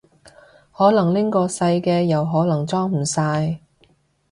因為拎個細嘅又可能裝唔晒